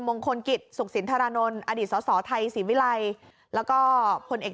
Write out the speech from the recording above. มงคลกิจศุกษิณธรรณนอดีตสศไทยศีวิลัยแล้วก็พลเอก